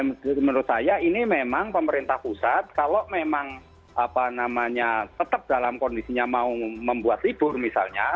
menurut saya ini memang pemerintah pusat kalau memang apa namanya tetap dalam kondisinya mau membuat libur misalnya